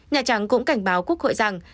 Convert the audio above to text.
nhà trắng cũng cảnh báo quốc hội rằng